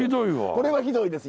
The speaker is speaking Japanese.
これはひどいです。